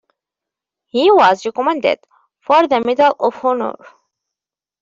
He was recommended for the Medal of Honor.